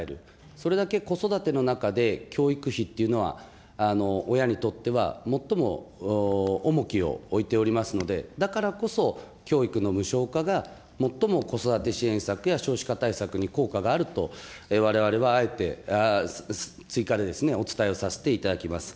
それだけ子育ての中で教育費っていうのは、親にとっては最も重きを置いておりますので、だからこそ、教育の無償化が最も子育て支援策や少子化対策に効果があるとわれわれはあえて、追加でお伝えをさせていただきます。